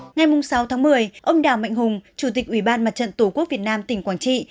ngày sáu tháng một mươi ông đào mạnh hùng chủ tịch ủy ban mặt trận tổ quốc việt nam tỉnh quảng trị